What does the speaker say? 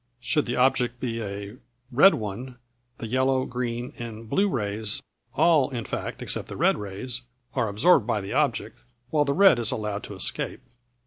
Should the object be a red one, the yellow, green, and blue rays, all, in fact, except the red rays, are absorbed by the object, while the red is allowed to escape.